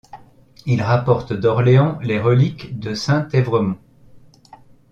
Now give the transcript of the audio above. Il rapporte d'Orléans les reliques de saint Évremond.